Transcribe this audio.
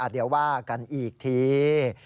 เดี๋ยวว่ากันอีกที